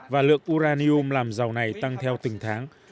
và lượng uranium làm dầu này tăng theo từng tháng